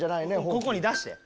ここに出して。